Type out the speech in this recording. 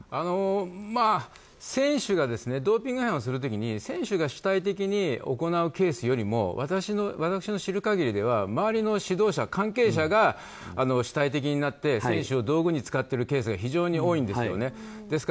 選手がドーピング違反をする時に選手が主体的に行うケースよりも私が知る限りでは周りの指導者、関係者が主体的になって選手を道具に使っているケースが非常に多いんですよね。